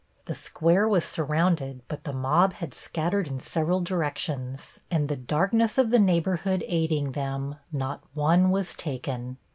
The square was surrounded, but the mob had scattered in several directions, and, the darkness of the neighborhood aiding them, not one was taken.